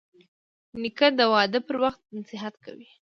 نیکه د واده پر وخت نصیحت کوي.